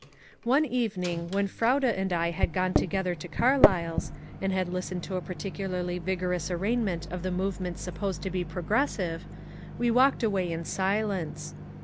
One evening when Froude and I had gone together to Carlyle's, and had listened to a particularly vigorous arraign ment of the movements supposed to be progressive, we walked away in silence.